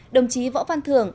đồng chí võ phan thường